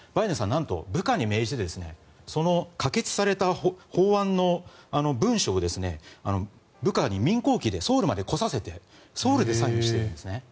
なんと部下に命じてその可決された法案の文書を部下に民航機でソウルまで来させてソウルでサインをしているんですね。